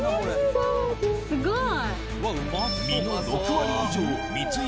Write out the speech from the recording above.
すごい！